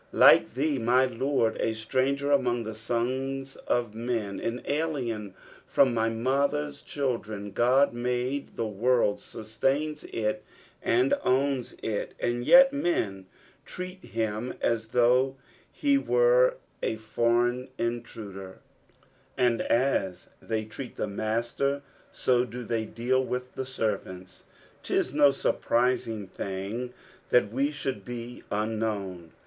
Like thee, my Lord, a stranger among the sons of men, an alien from my mother's children. Rod made the world, sustains it, and owns it, and yet men treat him as though be wero a foreign intruder ; and as they treat the Master, so do they deal with the ser ▼ants. " 'Tis no surprising thing that we should be unknown."